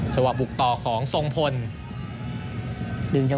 ส่วนที่สุดท้ายส่วนที่สุดท้าย